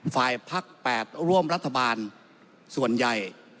ฝ่ายภักดิ์๘ร่วมรัฐบาลส่วนใหญ่